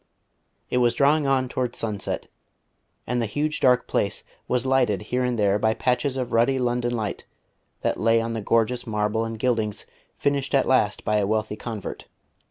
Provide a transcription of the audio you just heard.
It was drawing on towards sunset, and the huge dark place was lighted here and there by patches of ruddy London light that lay on the gorgeous marble and gildings finished at last by a wealthy convert.